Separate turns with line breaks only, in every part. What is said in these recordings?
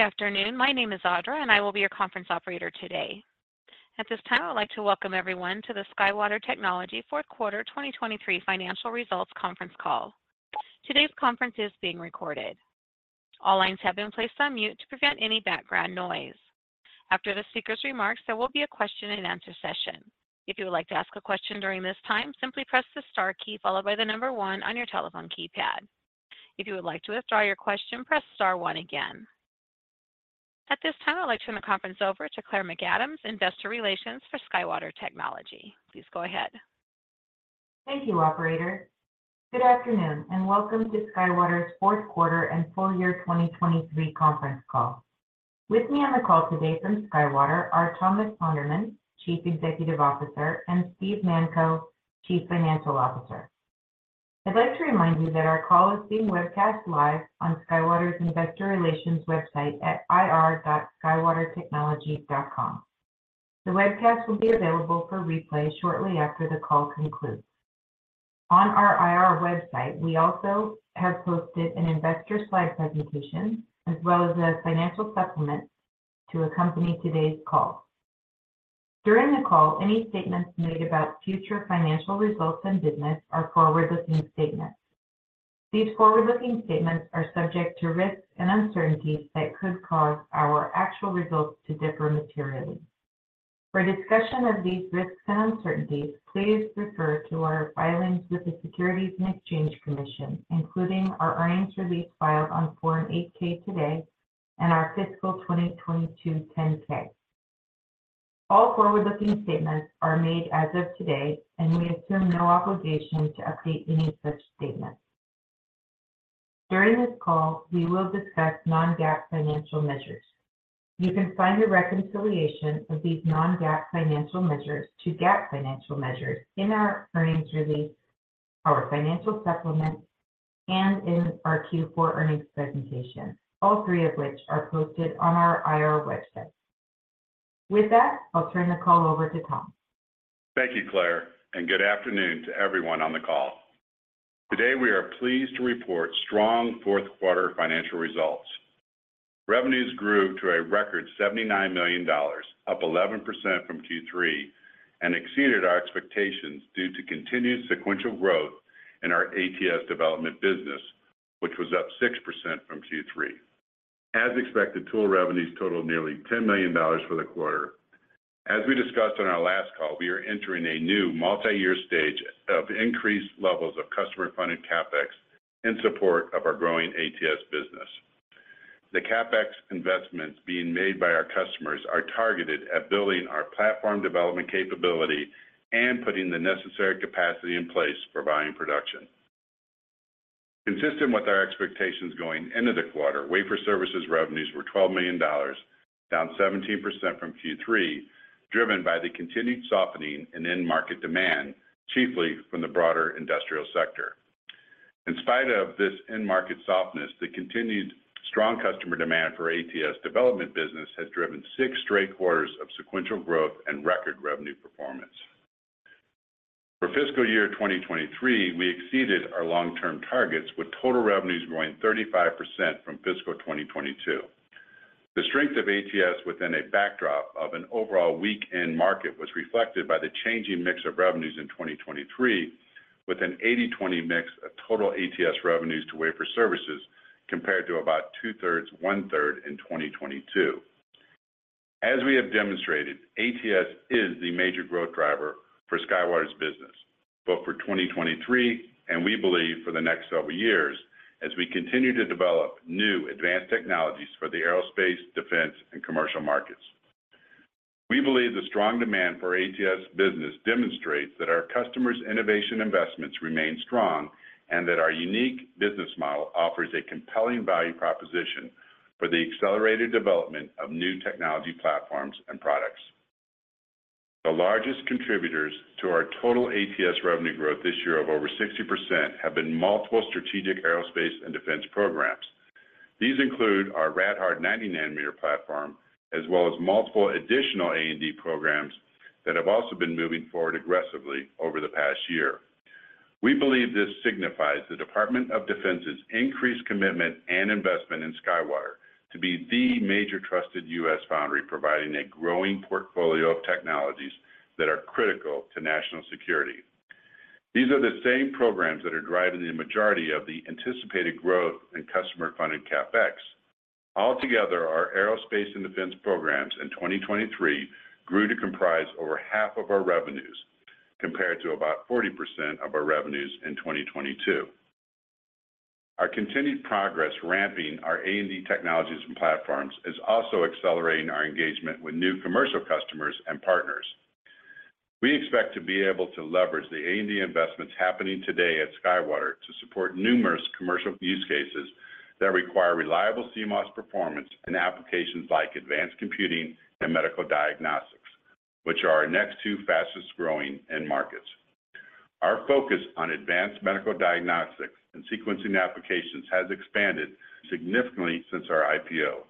Good afternoon. My name is Audra, and I will be your conference operator today. At this time, I would like to welcome everyone to the SkyWater Technology fourth quarter 2023 financial results conference call. Today's conference is being recorded. All lines have been placed on mute to prevent any background noise. After the speaker's remarks, there will be a question and answer session. If you would like to ask a question during this time, simply press the star key followed by the number one on your telephone keypad. If you would like to withdraw your question, press star one again. At this time, I'd like to turn the conference over to Claire McAdams, Investor Relations for SkyWater Technology. Please go ahead.
Thank you, operator. Good afternoon, and welcome to SkyWater's fourth quarter and full year 2023 conference call. With me on the call today from SkyWater are Thomas Sonderman, Chief Executive Officer, and Steve Manko, Chief Financial Officer. I'd like to remind you that our call is being webcast live on SkyWater's Investor Relations website at ir.skywatertechnology.com. The webcast will be available for replay shortly after the call concludes. On our IR website, we also have posted an investor slide presentation, as well as a financial supplement to accompany today's call. During the call, any statements made about future financial results and business are forward-looking statements. These forward-looking statements are subject to risks and uncertainties that could cause our actual results to differ materially. For a discussion of these risks and uncertainties, please refer to our filings with the Securities and Exchange Commission, including our earnings release filed on Form 8-K today and our fiscal 2022 10-K. All forward-looking statements are made as of today, and we assume no obligation to update any such statements. During this call, we will discuss Non-GAAP financial measures. You can find a reconciliation of these Non-GAAP financial measures to GAAP financial measures in our earnings release, our financial supplement, and in our Q4 earnings presentation, all three of which are posted on our IR website. With that, I'll turn the call over to Tom.
Thank you, Claire, and good afternoon to everyone on the call. Today, we are pleased to report strong fourth-quarter financial results. Revenues grew to a record $79 million, up 11% from Q3, and exceeded our expectations due to continued sequential growth in our ATS development business, which was up 6% from Q3. As expected, tool revenues totaled nearly $10 million for the quarter. As we discussed on our last call, we are entering a new multi-year stage of increased levels of customer-funded CapEx in support of our growing ATS business. The CapEx investments being made by our customers are targeted at building our platform development capability and putting the necessary capacity in place for volume production. Consistent with our expectations going into the quarter, wafer services revenues were $12 million, down 17% from Q3, driven by the continued softening in end market demand, chiefly from the broader industrial sector. In spite of this end market softness, the continued strong customer demand for ATS development business has driven 6 straight quarters of sequential growth and record revenue performance. For fiscal year 2023, we exceeded our long-term targets, with total revenues growing 35% from fiscal 2022. The strength of ATS within a backdrop of an overall weak end market was reflected by the changing mix of revenues in 2023, with an 80/20 mix of total ATS revenues to wafer services, compared to about 2/3, 1/3 in 2022. As we have demonstrated, ATS is the major growth driver for SkyWater's business, both for 2023, and we believe for the next several years, as we continue to develop new advanced technologies for the aerospace, defense, and commercial markets. We believe the strong demand for ATS business demonstrates that our customers' innovation investments remain strong and that our unique business model offers a compelling value proposition for the accelerated development of new technology platforms and products. The largest contributors to our total ATS revenue growth this year of over 60% have been multiple strategic aerospace and defense programs. These include our rad-hard 90-nanometer platform, as well as multiple additional A&D programs that have also been moving forward aggressively over the past year. We believe this signifies the Department of Defense's increased commitment and investment in SkyWater to be the major trusted U.S. foundry, providing a growing portfolio of technologies that are critical to national security. These are the same programs that are driving the majority of the anticipated growth in customer-funded CapEx. Altogether, our aerospace and defense programs in 2023 grew to comprise over half of our revenues, compared to about 40% of our revenues in 2022. Our continued progress ramping our A&D technologies and platforms is also accelerating our engagement with new commercial customers and partners. We expect to be able to leverage the A&D investments happening today at SkyWater to support numerous commercial use cases that require reliable CMOS performance in applications like advanced computing and medical diagnostics, which are our next two fastest-growing end markets. Our focus on advanced medical diagnostics and sequencing applications has expanded significantly since our IPO.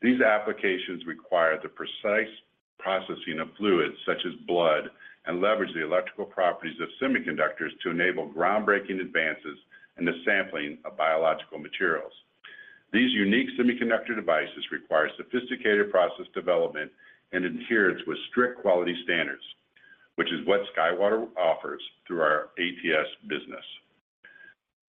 These applications require the precise processing of fluids such as blood, and leverage the electrical properties of semiconductors to enable groundbreaking advances in the sampling of biological materials. These unique semiconductor devices require sophisticated process development and adherence with strict quality standards, which is what SkyWater offers through our ATS business.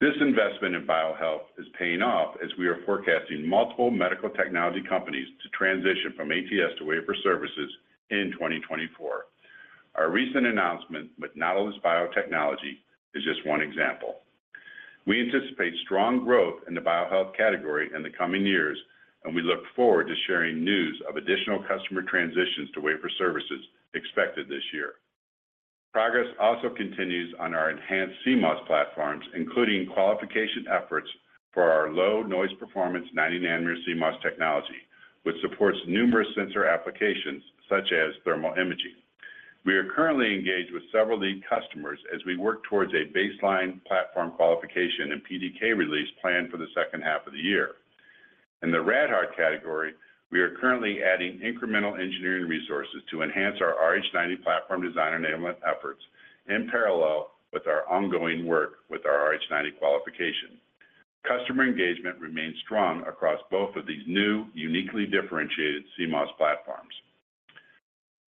This investment in Bio-health is paying off as we are forecasting multiple medical technology companies to transition from ATS to wafer services in 2024. Our recent announcement with Nautilus Biotechnology is just one example. We anticipate strong growth in the Bio-health category in the coming years, and we look forward to sharing news of additional customer transitions to wafer services expected this year. Progress also continues on our enhanced CMOS platforms, including qualification efforts for our low noise performance 90-nanometer CMOS technology, which supports numerous sensor applications such as thermal imaging. We are currently engaged with several lead customers as we work towards a baseline platform qualification and PDK release planned for the second half of the year. In the radar category, we are currently adding incremental engineering resources to enhance our RH90 platform design enablement efforts in parallel with our ongoing work with our RH90 qualification. Customer engagement remains strong across both of these new, uniquely differentiated CMOS platforms.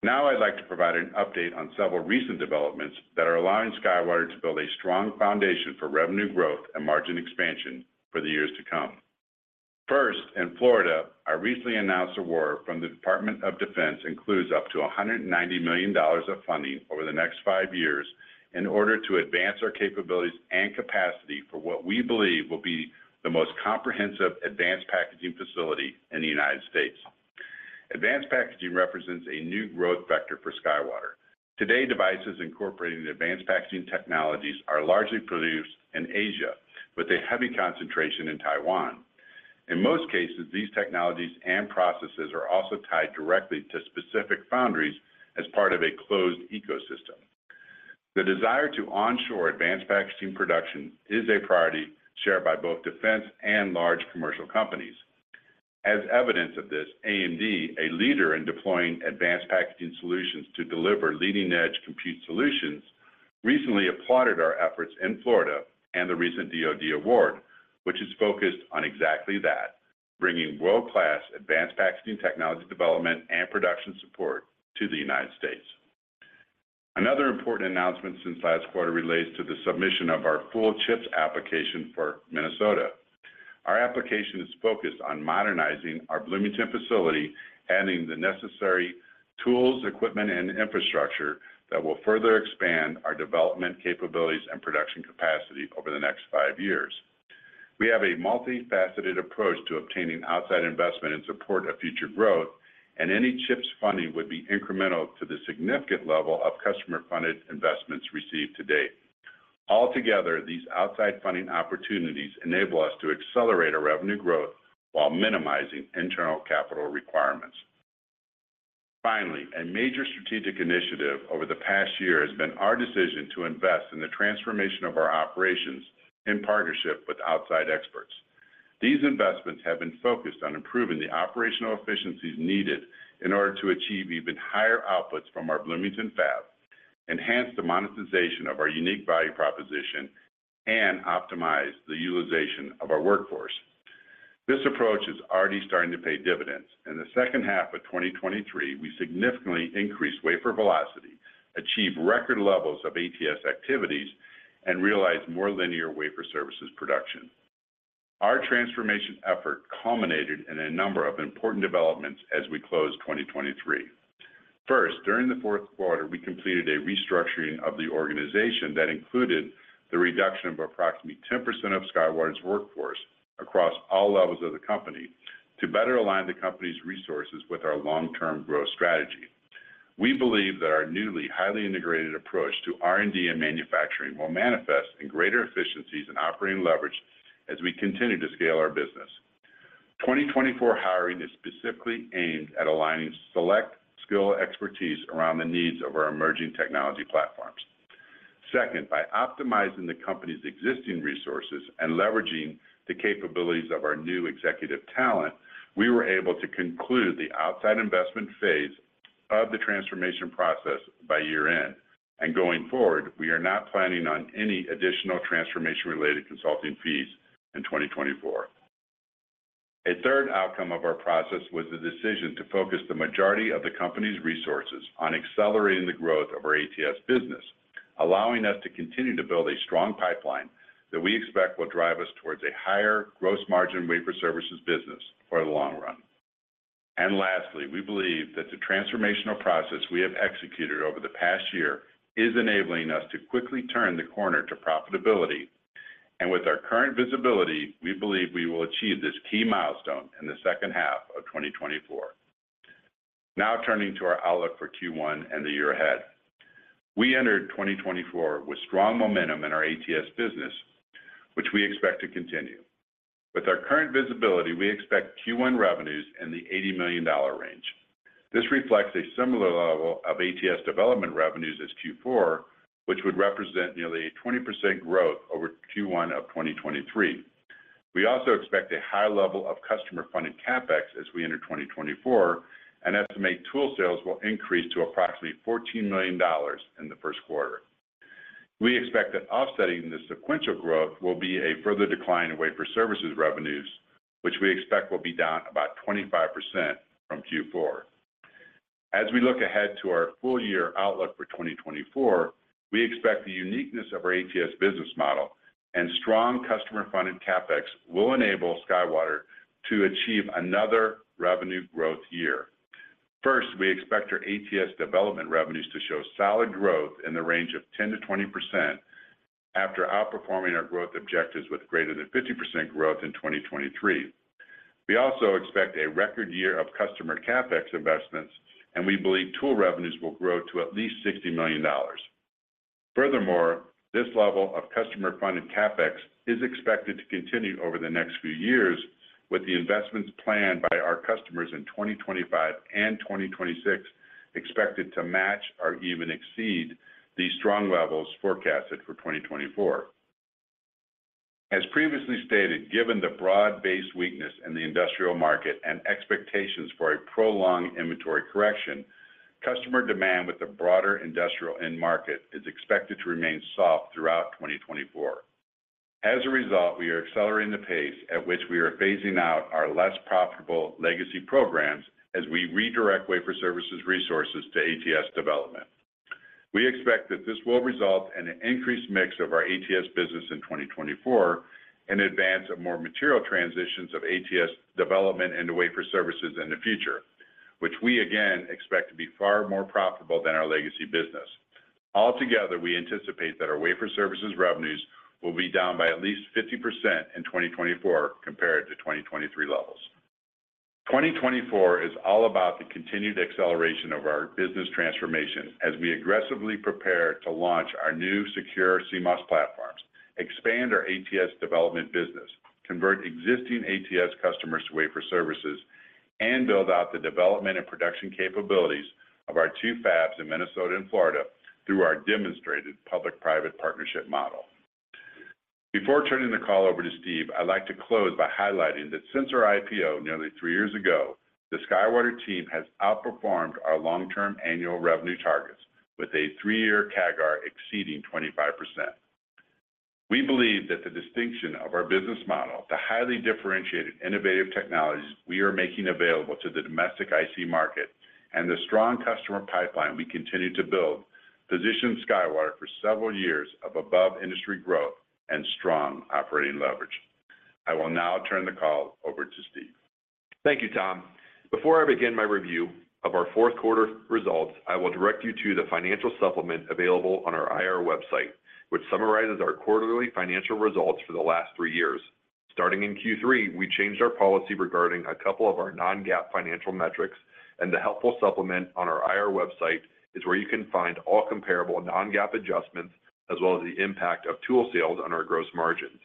Now, I'd like to provide an update on several recent developments that are allowing SkyWater to build a strong foundation for revenue growth and margin expansion for the years to come. First, in Florida, our recently announced award from the Department of Defense includes up to $190 million of funding over the next 5 years in order to advance our capabilities and capacity for what we believe will be the most comprehensive advanced packaging facility in the United States. Advanced packaging represents a new growth vector for SkyWater. Today, devices incorporating the advanced packaging technologies are largely produced in Asia, with a heavy concentration in Taiwan. In most cases, these technologies and processes are also tied directly to specific foundries as part of a closed ecosystem. The desire to onshore advanced packaging production is a priority shared by both defense and large commercial companies. As evidence of this, AMD, a leader in deploying advanced packaging solutions to deliver leading-edge compute solutions, recently applauded our efforts in Florida and the recent DoD award, which is focused on exactly that, bringing world-class advanced packaging technology development and production support to the United States. Another important announcement since last quarter relates to the submission of our full CHIPS application for Minnesota. Our application is focused on modernizing our Bloomington facility, adding the necessary tools, equipment, and infrastructure that will further expand our development capabilities and production capacity over the next five years. We have a multifaceted approach to obtaining outside investment in support of future growth, and any CHIPS funding would be incremental to the significant level of customer-funded investments received to date. Altogether, these outside funding opportunities enable us to accelerate our revenue growth while minimizing internal capital requirements. Finally, a major strategic initiative over the past year has been our decision to invest in the transformation of our operations in partnership with outside experts. These investments have been focused on improving the operational efficiencies needed in order to achieve even higher outputs from our Bloomington fab, enhance the monetization of our unique value proposition, and optimize the utilization of our workforce. This approach is already starting to pay dividends. In the second half of 2023, we significantly increased wafer velocity, achieved record levels of ATS activities, and realized more linear wafer services production. Our transformation effort culminated in a number of important developments as we closed 2023. First, during the fourth quarter, we completed a restructuring of the organization that included the reduction of approximately 10% of SkyWater's workforce across all levels of the company to better align the company's resources with our long-term growth strategy. We believe that our newly highly integrated approach to R&D and manufacturing will manifest in greater efficiencies and operating leverage as we continue to scale our business. 2024 hiring is specifically aimed at aligning select skill expertise around the needs of our emerging technology platforms. Second, by optimizing the company's existing resources and leveraging the capabilities of our new executive talent, we were able to conclude the outside investment phase of the transformation process by year-end. Going forward, we are not planning on any additional transformation-related consulting fees in 2024. A third outcome of our process was the decision to focus the majority of the company's resources on accelerating the growth of our ATS business, allowing us to continue to build a strong pipeline that we expect will drive us towards a higher gross margin wafer services business for the long run. And lastly, we believe that the transformational process we have executed over the past year is enabling us to quickly turn the corner to profitability. And with our current visibility, we believe we will achieve this key milestone in the second half of 2024. Now, turning to our outlook for Q1 and the year ahead. We entered 2024 with strong momentum in our ATS business, which we expect to continue. With our current visibility, we expect Q1 revenues in the $80 million range. This reflects a similar level of ATS development revenues as Q4, which would represent nearly a 20% growth over Q1 of 2023. We also expect a high level of customer-funded CapEx as we enter 2024, and estimate tool sales will increase to approximately $14 million in the first quarter. We expect that offsetting this sequential growth will be a further decline in wafer services revenues, which we expect will be down about 25% from Q4. As we look ahead to our full year outlook for 2024, we expect the uniqueness of our ATS business model and strong customer-funded CapEx will enable SkyWater to achieve another revenue growth year. First, we expect our ATS development revenues to show solid growth in the range of 10%-20% after outperforming our growth objectives with greater than 50% growth in 2023. We also expect a record year of customer CapEx investments, and we believe tool revenues will grow to at least $60 million. Furthermore, this level of customer-funded CapEx is expected to continue over the next few years, with the investments planned by our customers in 2025 and 2026 expected to match or even exceed these strong levels forecasted for 2024. As previously stated, given the broad-based weakness in the industrial market and expectations for a prolonged inventory correction, customer demand with the broader industrial end market is expected to remain soft throughout 2024. As a result, we are accelerating the pace at which we are phasing out our less profitable legacy programs as we redirect wafer services resources to ATS development. We expect that this will result in an increased mix of our ATS business in 2024, in advance of more material transitions of ATS development into wafer services in the future, which we again expect to be far more profitable than our legacy business. Altogether, we anticipate that our wafer services revenues will be down by at least 50% in 2024 compared to 2023 levels. 2024 is all about the continued acceleration of our business transformation as we aggressively prepare to launch our new secure CMOS platforms, expand our ATS development business, convert existing ATS customers to wafer services, and build out the development and production capabilities of our two fabs in Minnesota and Florida through our demonstrated public-private partnership model. Before turning the call over to Steve, I'd like to close by highlighting that since our IPO nearly three years ago, the SkyWater team has outperformed our long-term annual revenue targets with a three-year CAGR exceeding 25%. We believe that the distinction of our business model, the highly differentiated innovative technologies we are making available to the domestic IC market, and the strong customer pipeline we continue to build, positions SkyWater for several years of above-industry growth and strong operating leverage. I will now turn the call over to Steve.
Thank you, Tom. Before I begin my review of our fourth quarter results, I will direct you to the financial supplement available on our IR website, which summarizes our quarterly financial results for the last three years. Starting in Q3, we changed our policy regarding a couple of our Non-GAAP financial metrics, and the helpful supplement on our IR website is where you can find all comparable Non-GAAP adjustments, as well as the impact of tool sales on our gross margins.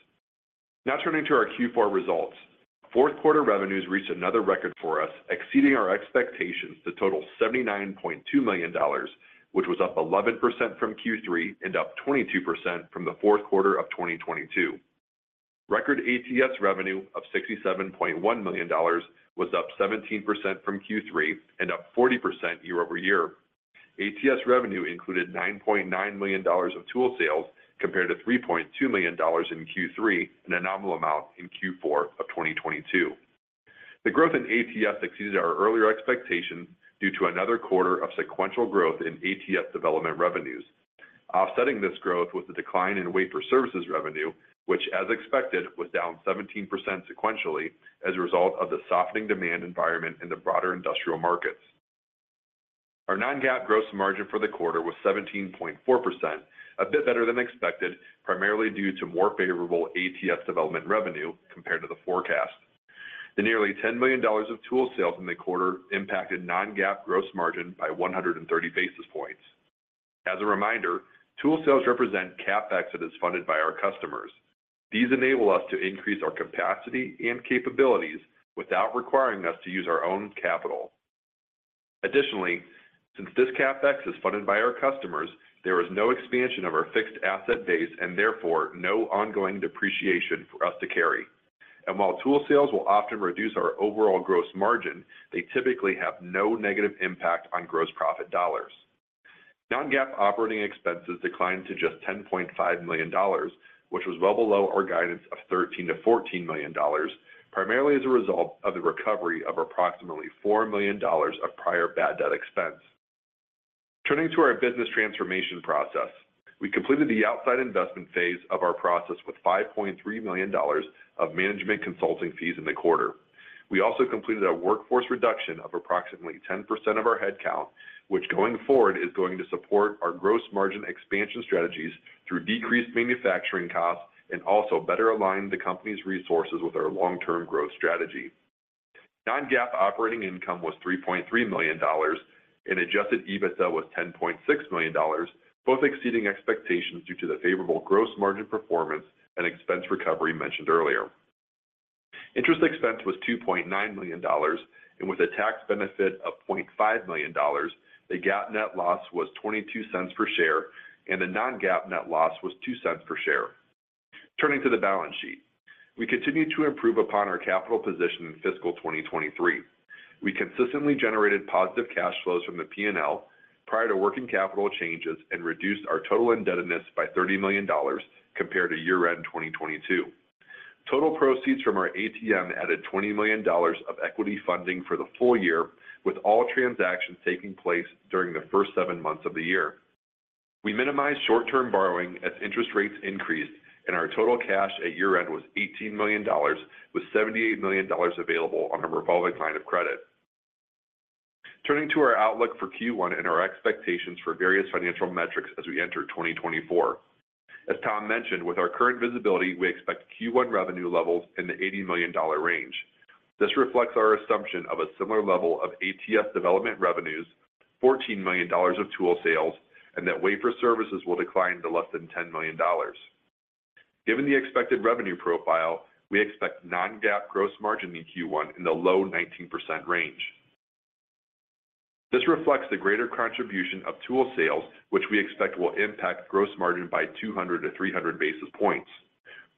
Now turning to our Q4 results. Fourth quarter revenues reached another record for us, exceeding our expectations to total $79.2 million, which was up 11% from Q3 and up 22% from the fourth quarter of 2022. Record ATS revenue of $67.1 million was up 17% from Q3 and up 40% year-over-year. ATS revenue included $9.9 million of tool sales, compared to $3.2 million in Q3, an abnormal amount in Q4 of 2022. The growth in ATS exceeded our earlier expectations due to another quarter of sequential growth in ATS development revenues. Offsetting this growth was the decline in wafer services revenue, which, as expected, was down 17% sequentially as a result of the softening demand environment in the broader industrial markets. Our Non-GAAP gross margin for the quarter was 17.4%, a bit better than expected, primarily due to more favorable ATS development revenue compared to the forecast. The nearly $10 million of tool sales in the quarter impacted Non-GAAP gross margin by 130 basis points. As a reminder, tool sales represent CapEx that is funded by our customers. These enable us to increase our capacity and capabilities without requiring us to use our own capital. Additionally, since this CapEx is funded by our customers, there is no expansion of our fixed asset base and therefore no ongoing depreciation for us to carry. And while tool sales will often reduce our overall gross margin, they typically have no negative impact on gross profit dollars. Non-GAAP operating expenses declined to just $10.5 million, which was well below our guidance of $13 million-$14 million, primarily as a result of the recovery of approximately $4 million of prior bad debt expense. Turning to our business transformation process, we completed the outside investment phase of our process with $5.3 million of management consulting fees in the quarter. We also completed a workforce reduction of approximately 10% of our headcount, which, going forward, is going to support our gross margin expansion strategies through decreased manufacturing costs and also better align the company's resources with our long-term growth strategy. Non-GAAP operating income was $3.3 million, and adjusted EBITDA was $10.6 million, both exceeding expectations due to the favorable gross margin performance and expense recovery mentioned earlier. Interest expense was $2.9 million, and with a tax benefit of $0.5 million, the GAAP net loss was $0.22 per share, and the Non-GAAP net loss was $0.02 per share. Turning to the balance sheet. We continued to improve upon our capital position in fiscal 2023. We consistently generated positive cash flows from the P&L prior to working capital changes, and reduced our total indebtedness by $30 million compared to year-end 2022. Total proceeds from our ATM added $20 million of equity funding for the full year, with all transactions taking place during the first seven months of the year. We minimized short-term borrowing as interest rates increased, and our total cash at year-end was $18 million, with $78 million available on a revolving line of credit. Turning to our outlook for Q1 and our expectations for various financial metrics as we enter 2024. As Tom mentioned, with our current visibility, we expect Q1 revenue levels in the $80 million range. This reflects our assumption of a similar level of ATS development revenues, $14 million of tool sales, and that wafer services will decline to less than $10 million. Given the expected revenue profile, we expect Non-GAAP gross margin in Q1 in the low 19% range. This reflects the greater contribution of tool sales, which we expect will impact gross margin by 200-300-basis points.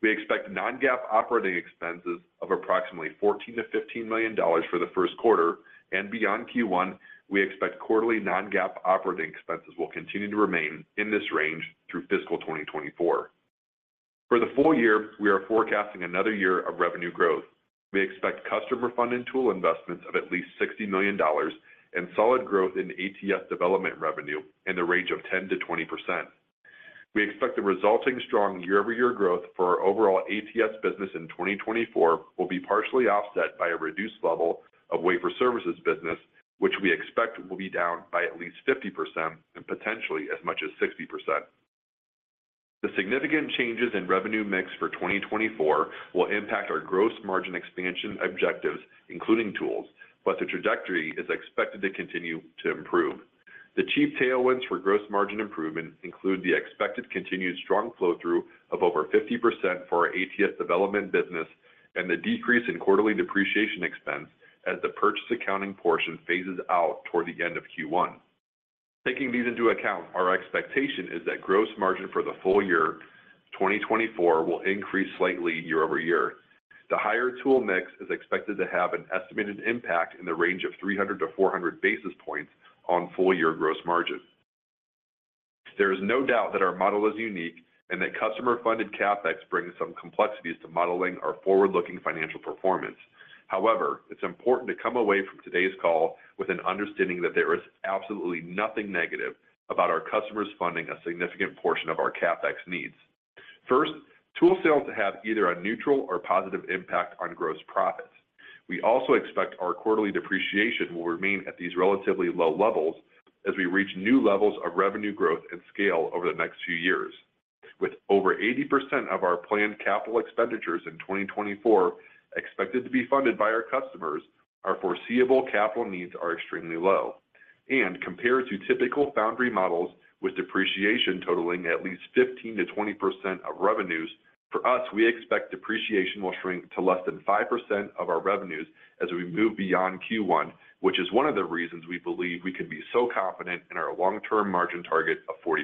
We expect Non-GAAP operating expenses of approximately $14 million-$15 million for the first quarter, and beyond Q1, we expect quarterly Non-GAAP operating expenses will continue to remain in this range through fiscal 2024. For the full year, we are forecasting another year of revenue growth. We expect customer funding tool investments of at least $60 million and solid growth in ATS development revenue in the range of 10%-20%. We expect the resulting strong year-over-year growth for our overall ATS business in 2024 will be partially offset by a reduced level of wafer services business, which we expect will be down by at least 50% and potentially as much as 60%. The significant changes in revenue mix for 2024 will impact our gross margin expansion objectives, including tools, but the trajectory is expected to continue to improve. The chief tailwinds for gross margin improvement include the expected continued strong flow-through of over 50% for our ATS development business, and the decrease in quarterly depreciation expense as the purchase accounting portion phases out toward the end of Q1. Taking these into account, our expectation is that gross margin for the full year 2024 will increase slightly year-over-year. The higher tool mix is expected to have an estimated impact in the range of 300-400 basis points on full year gross margin. There is no doubt that our model is unique, and that customer-funded CapEx brings some complexities to modeling our forward-looking financial performance. However, it's important to come away from today's call with an understanding that there is absolutely nothing negative about our customers funding a significant portion of our CapEx needs. First, tool sales have either a neutral or positive impact on gross profits. We also expect our quarterly depreciation will remain at these relatively low levels as we reach new levels of revenue growth and scale over the next few years. With over 80% of our planned capital expenditures in 2024 expected to be funded by our customers, our foreseeable capital needs are extremely low. Compared to typical foundry models, with depreciation totaling at least 15%-20% of revenues, for us, we expect depreciation will shrink to less than 5% of our revenues as we move beyond Q1, which is one of the reasons we believe we can be so confident in our long-term margin target of 40%.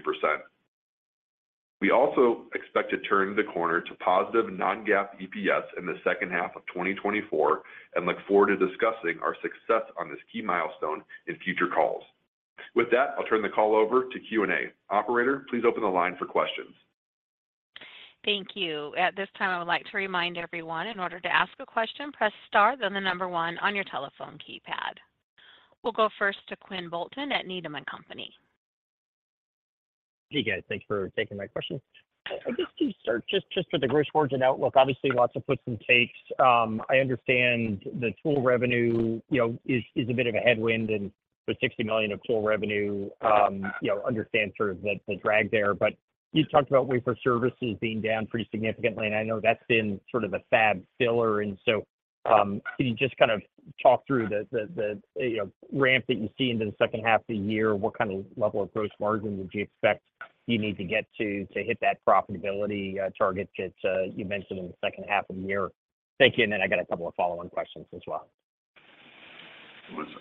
We also expect to turn the corner to positive Non-GAAP EPS in the second half of 2024 and look forward to discussing our success on this key milestone in future calls. With that, I'll turn the call over to Q&A. Operator, please open the line for questions.
Thank you. At this time, I would like to remind everyone, in order to ask a question, press star, then the number one on your telephone keypad. We'll go first to Quinn Bolton at Needham & Company.
Hey, guys. Thank you for taking my question. I guess to start, just with the gross margin outlook, obviously, lots of puts and takes. I understand the tool revenue, you know, is a bit of a headwind, and with $60 million of tool revenue, you know, understand sort of the drag there. But you talked about wafer services being down pretty significantly, and I know that's been sort of a fab filler. And so, can you just kind of talk through the ramp that you see into the second half of the year? What kind of level of gross margin would you expect you need to get to, to hit that profitability target that you mentioned in the second half of the year? Thank you, and then I got a couple of follow-on questions as well.
Go ahead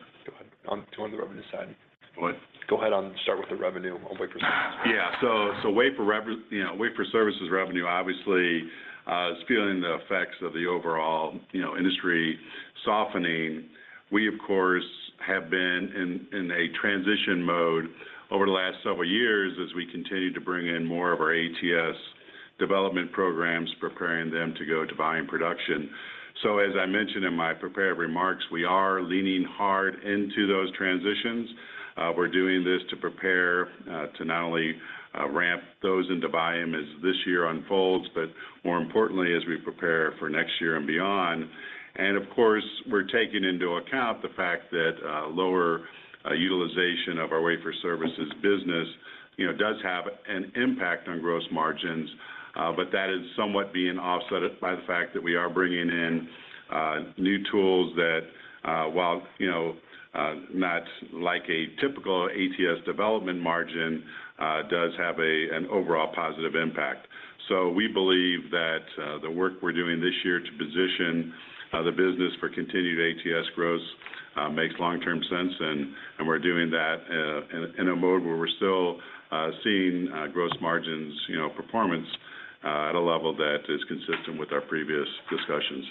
and start with the revenue on wafer services. Yeah. So, wafer services revenue, you know, obviously, is feeling the effects of the overall, you know, industry softening. We, of course, have been in a transition mode over the last several years as we continue to bring in more of our ATS development programs, preparing them to go to volume production. So as I mentioned in my prepared remarks, we are leaning hard into those transitions. We're doing this to prepare to not only ramp those into volume as this year unfolds, but more importantly, as we prepare for next year and beyond. And of course, we're taking into account the fact that lower utilization of our wafer services business, you know, does have an impact on gross margins, but that is somewhat being offset by the fact that we are bringing in new tools that, while, you know, not like a typical ATS development margin, does have an overall positive impact. So we believe that the work we're doing this year to position the business for continued ATS growth.... makes long-term sense, and we're doing that in a mode where we're still seeing gross margins, you know, performance at a level that is consistent with our previous discussions.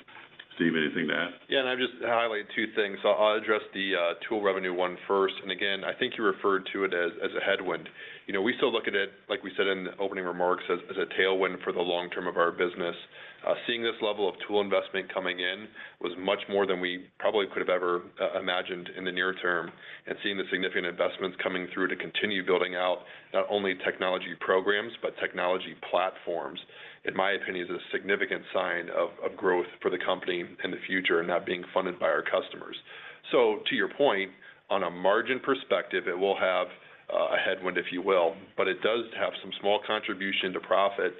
Steve, anything to add?
Yeah, and I'd just highlight two things. So I'll address the tool revenue one first. And again, I think you referred to it as a headwind. You know, we still look at it, like we said in the opening remarks, as a tailwind for the long term of our business. Seeing this level of tool investment coming in was much more than we probably could have ever imagined in the near term. And seeing the significant investments coming through to continue building out, not only technology programs, but technology platforms, in my opinion, is a significant sign of growth for the company in the future, and not being funded by our customers. So to your point, on a margin perspective, it will have a headwind, if you will, but it does have some small contribution to profit.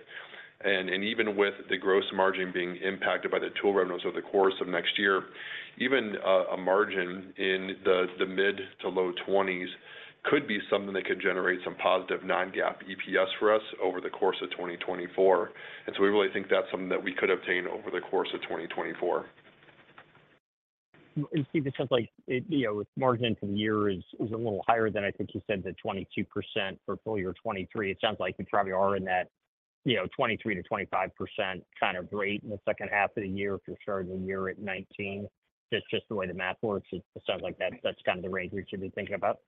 Even with the gross margin being impacted by the tool revenues over the course of next year, even a margin in the mid- to low-20s could be something that could generate some positive Non-GAAP EPS for us over the course of 2024. And so we really think that's something that we could obtain over the course of 2024.
And Steve, it sounds like it... you know, margin for the year is a little higher than I think you said, the 22% for full year 2023. It sounds like you probably are in that, you know, 23%-25% kind of rate in the second half of the year, if you're starting the year at 19. That's just the way the math works. It sounds like that's kind of the range we should be thinking about.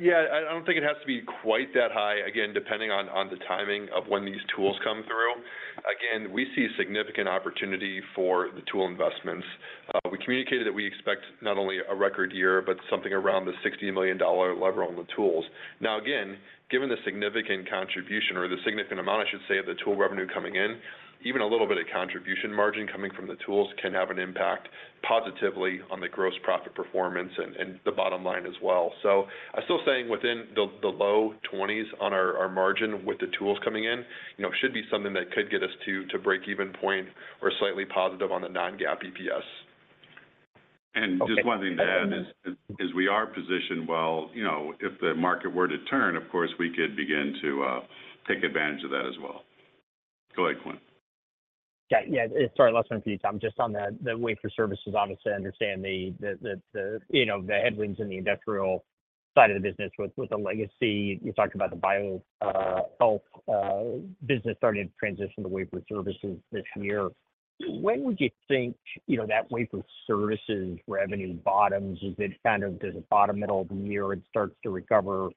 Yeah, I don't think it has to be quite that high. Again, depending on the timing of when these tools come through. Again, we see significant opportunity for the tool investments. We communicated that we expect not only a record year, but something around the $60 million level on the tools. Now, again, given the significant contribution, or the significant amount, I should say, of the tool revenue coming in, even a little bit of contribution margin coming from the tools can have an impact positively on the gross profit performance and the bottom line as well. So I'm still saying within the low 20s on our margin with the tools coming in, you know, should be something that could get us to break even point or slightly positive on the Non-GAAP EPS.
Just one thing to add-
Okay.
We are positioned well. You know, if the market were to turn, of course, we could begin to take advantage of that as well. Go ahead, Quinn.
Yeah, yeah. Sorry, last one for you, Tom. Just on the wafer services, obviously, I understand the headwinds in the industrial side of the business with the legacy. You talked about the bio-health business starting to transition to wafer services this year. When would you think, you know, that wafer services revenue bottoms? Is it kind of does it bottom middle of the year and starts to recover,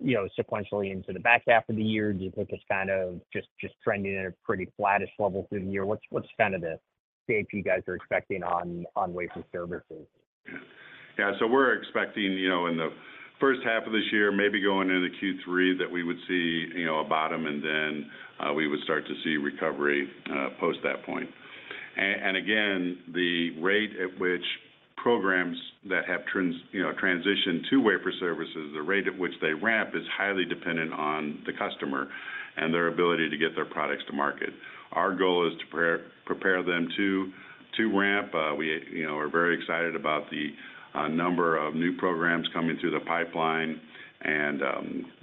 you know, sequentially into the back half of the year? Do you think it's kind of just trending at a pretty flattish level through the year? What's kind of the shape you guys are expecting on wafer services?
Yeah. So we're expecting, you know, in the first half of this year, maybe going into Q3, that we would see, you know, a bottom, and then, we would start to see recovery, post that point. And, again, the rate at which programs that have transitioned to wafer services, the rate at which they ramp is highly dependent on the customer and their ability to get their products to market. Our goal is to prepare them to ramp. We, you know, are very excited about the number of new programs coming through the pipeline, and,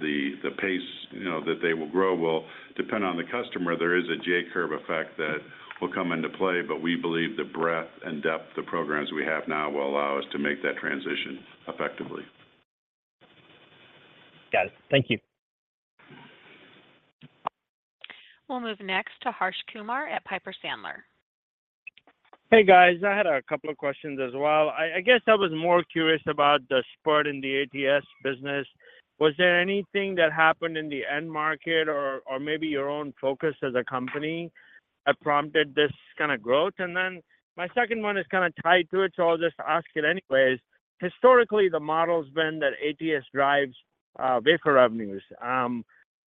the pace, you know, that they will grow will depend on the customer. There is a J-curve effect that will come into play, but we believe the breadth and depth of programs we have now will allow us to make that transition effectively.
Got it. Thank you.
We'll move next to Harsh Kumar at Piper Sandler.
Hey, guys. I had a couple of questions as well. I guess I was more curious about the spurt in the ATS business. Was there anything that happened in the end market or maybe your own focus as a company that prompted this kind of growth? And then my second one is kind of tied to it, so I'll just ask it anyways. Historically, the model's been that ATS drives wafer revenues,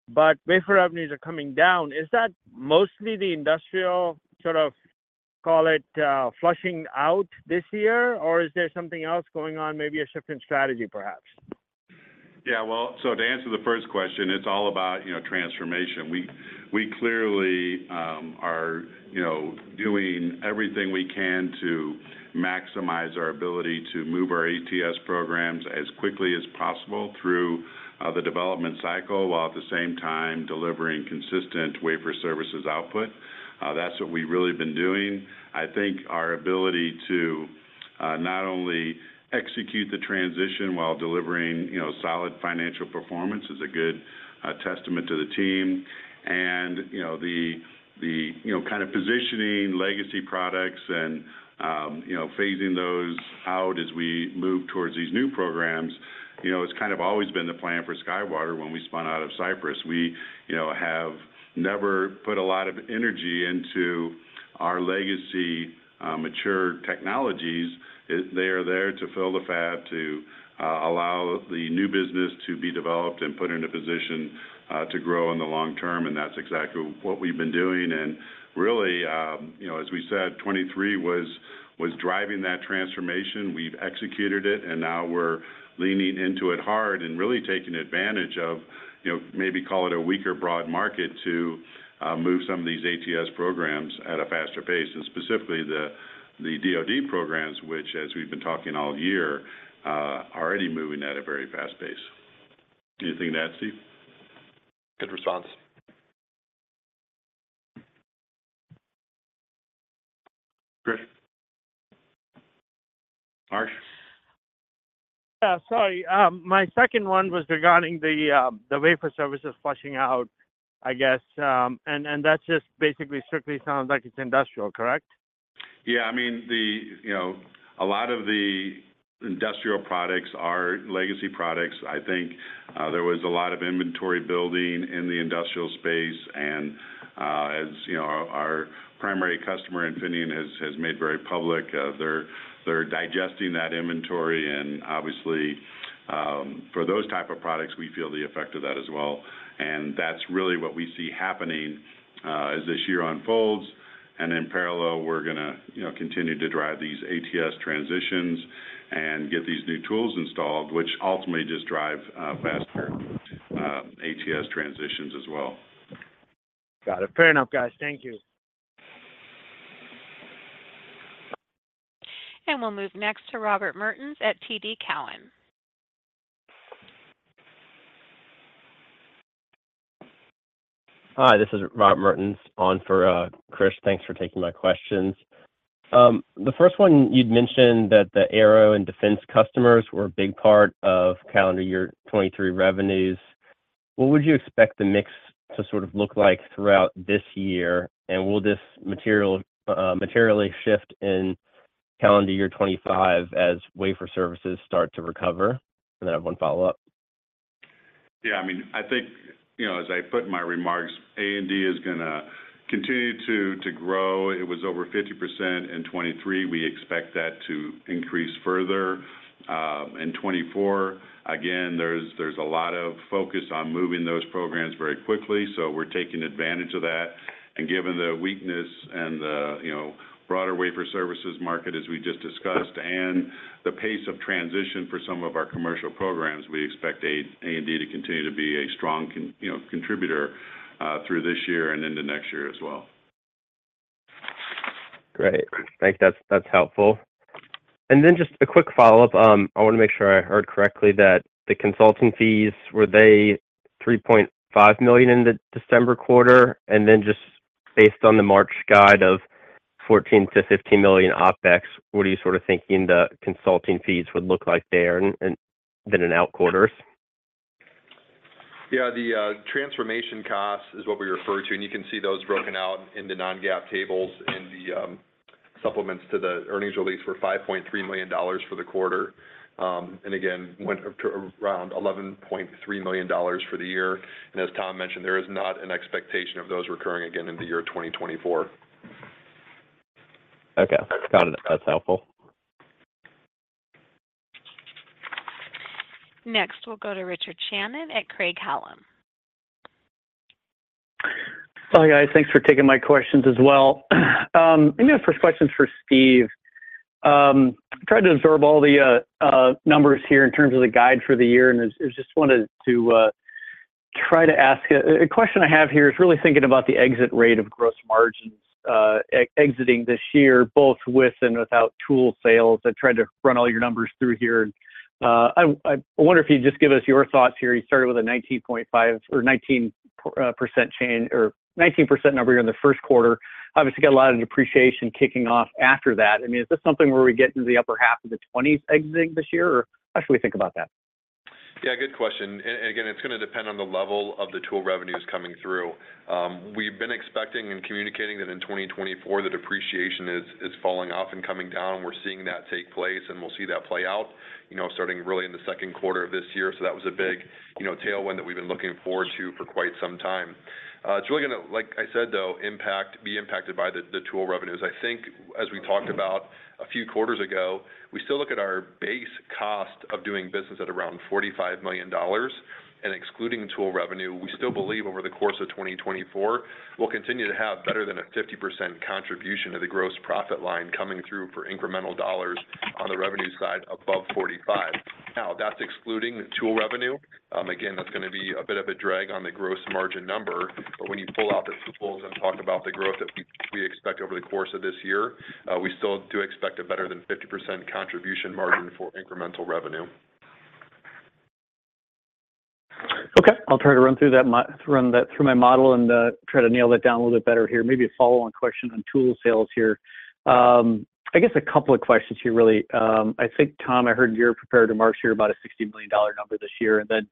but wafer revenues are coming down. Is that mostly the industrial, call it, flushing out this year, or is there something else going on? Maybe a shift in strategy, perhaps.
Yeah, well, so to answer the first question, it's all about, you know, transformation. We clearly are, you know, doing everything we can to maximize our ability to move our ATS programs as quickly as possible through the development cycle, while at the same time delivering consistent wafer services output. That's what we've really been doing. I think our ability to not only execute the transition while delivering, you know, solid financial performance is a good testament to the team. And, you know, the kind of positioning legacy products and, you know, phasing those out as we move towards these new programs, you know, it's kind of always been the plan for SkyWater when we spun out of Cypress. We, you know, have never put a lot of energy into our legacy mature technologies. They are there to fill the fab, to allow the new business to be developed and put in a position to grow in the long term, and that's exactly what we've been doing. Really, you know, as we said, 2023 was driving that transformation. We've executed it, and now we're leaning into it hard and really taking advantage of, you know, maybe call it a weaker broad market, to move some of these ATS programs at a faster pace, and specifically, the DoD programs, which, as we've been talking all year, are already moving at a very fast pace. Anything to add, Steve?
Good response....
Great. Harsh?
Yeah, sorry. My second one was regarding the wafer services flushing out, I guess. And that's just basically strictly sounds like it's industrial, correct?
Yeah. I mean, the, you know, a lot of the industrial products are legacy products. I think, there was a lot of inventory building in the industrial space, and, as you know, our primary customer, Infineon, has made very public, they're digesting that inventory. And obviously, for those type of products, we feel the effect of that as well. And that's really what we see happening, as this year unfolds. And in parallel, we're gonna, you know, continue to drive these ATS transitions and get these new tools installed, which ultimately just drive, faster, ATS transitions as well.
Got it. Fair enough, guys. Thank you.
We'll move next to Robert Mertens at TD Cowen.
Hi, this is Robert Mertens on for Krish, thanks for taking my questions. The first one, you'd mentioned that the aero and defense customers were a big part of calendar year 2023 revenues. What would you expect the mix to sort of look like throughout this year? And will this material materially shift in calendar year 2025 as wafer services start to recover? And then I have one follow-up.
Yeah, I mean, I think, you know, as I put in my remarks, A&D is gonna continue to grow. It was over 50% in 2023. We expect that to increase further in 2024. Again, there's a lot of focus on moving those programs very quickly, so we're taking advantage of that. And given the weakness and the, you know, broader wafer services market as we just discussed, and the pace of transition for some of our commercial programs, we expect A&D to continue to be a strong contributor through this year and into next year as well.
Great. I think that's, that's helpful. And then just a quick follow-up. I want to make sure I heard correctly that the consulting fees, were they $3.5 million in the December quarter? And then just based on the March guide of $14 million-$15 million OpEx, what are you sort of thinking the consulting fees would look like there and, and then in out quarters?
Yeah, the transformation cost is what we refer to, and you can see those broken out in the Non-GAAP tables, and the supplements to the earnings release were $5.3 million for the quarter. And again, went up to around $11.3 million for the year. And as Tom mentioned, there is not an expectation of those recurring again in the year 2024.
Okay, got it. That's helpful.
Next, we'll go to Richard Shannon at Craig-Hallum.
Hi, guys. Thanks for taking my questions as well. Maybe the first question's for Steve. Tried to absorb all the numbers here in terms of the guide for the year, and it's- I just wanted to try to ask. A question I have here is really thinking about the exit rate of gross margins, exiting this year, both with and without tool sales. I tried to run all your numbers through here, and I wonder if you'd just give us your thoughts here. You started with a 19.5% or 19% change or 19% number here in the first quarter. Obviously, got a lot of depreciation kicking off after that. I mean, is this something where we get into the upper half of the 20s exiting this year, or how should we think about that?
Yeah, good question. Again, it's gonna depend on the level of the tool revenues coming through. We've been expecting and communicating that in 2024, the depreciation is falling off and coming down. We're seeing that take place, and we'll see that play out, you know, starting really in the second quarter of this year. So that was a big, you know, tailwind that we've been looking forward to for quite some time. It's really gonna, like I said, though, be impacted by the tool revenues. I think as we talked about a few quarters ago, we still look at our base cost of doing business at around $45 million, and excluding tool revenue, we still believe over the course of 2024, we'll continue to have better than a 50% contribution to the gross profit line coming through for incremental dollars on the revenue side above 45. Now, that's excluding the tool revenue. Again, that's gonna be a bit of a drag on the gross margin number, but when you pull out the tools and talk about the growth that we expect over the course of this year, we still do expect a better than 50% contribution margin for incremental revenue.
Okay. I'll try to run that through my model and try to nail that down a little bit better here. Maybe a follow-on question on tool sales here. I guess a couple of questions here, really. I think, Tom, I heard you're prepared to market share about a $60 million number this year, and then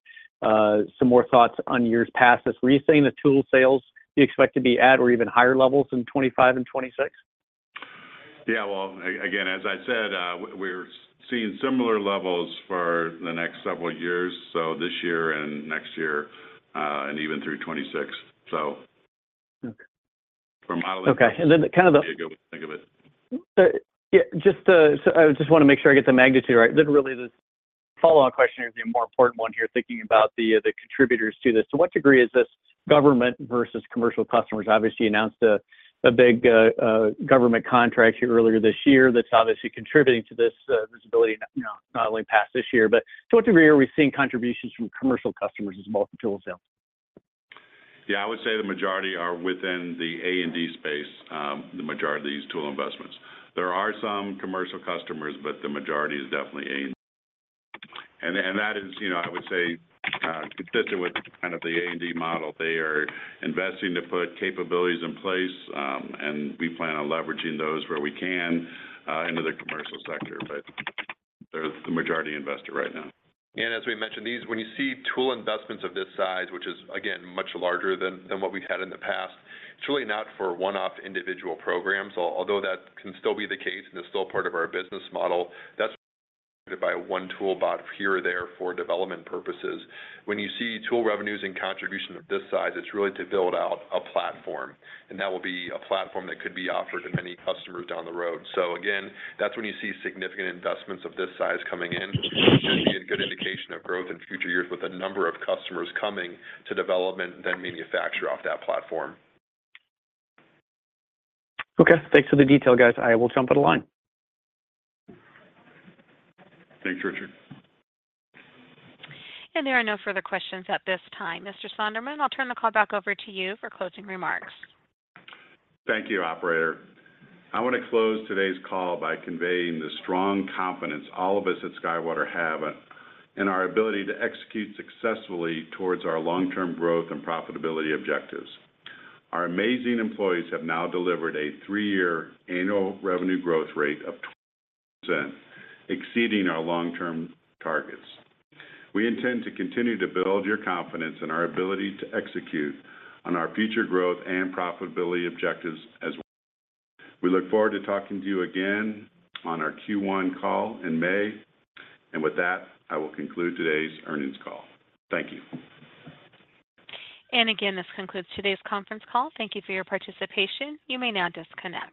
some more thoughts on years past this. Were you saying the tool sales, do you expect to be at or even higher levels in 2025 and 2026?
Yeah. Well, again, as I said, we're seeing similar levels for the next several years, so this year and next year, and even through 2026. So-
Okay.
From modeling-
Okay, and then kind of the-
Think of it.
So, yeah, just to make sure I get the magnitude right. Then really, this follow-up question is the more important one here, thinking about the contributors to this. To what degree is this government versus commercial customers? Obviously, you announced a big government contract here earlier this year that's obviously contributing to this visibility, you know, not only past this year. But to what degree are we seeing contributions from commercial customers as multiple tool sales?
Yeah, I would say the majority are within the A&D space, the majority of these tool investments. There are some commercial customers, but the majority is definitely A&D. And that is, you know, I would say consistent with kind of the A&D model. They are investing to put capabilities in place, and we plan on leveraging those where we can into the commercial sector, but they're the majority investor right now.
As we mentioned, these, when you see tool investments of this size, which is, again, much larger than what we've had in the past, it's really not for one-off individual programs, although that can still be the case and is still part of our business model, that's by one tool bought here or there for development purposes. When you see tool revenues and contributions of this size, it's really to build out a platform, and that will be a platform that could be offered to many customers down the road. So again, that's when you see significant investments of this size coming in. It can be a good indication of growth in future years with a number of customers coming to development, then manufacture off that platform.
Okay. Thanks for the detail, guys. I will jump on the line.
Thanks, Richard.
There are no further questions at this time. Mr. Sonderman, I'll turn the call back over to you for closing remarks.
Thank you, operator. I want to close today's call by conveying the strong confidence all of us at SkyWater have in our ability to execute successfully towards our long-term growth and profitability objectives. Our amazing employees have now delivered a three-year annual revenue growth rate of 20%, exceeding our long-term targets. We intend to continue to build your confidence in our ability to execute on our future growth and profitability objectives as well. We look forward to talking to you again on our Q1 call in May. And with that, I will conclude today's earnings call. Thank you.
Again, this concludes today's conference call. Thank you for your participation. You may now disconnect.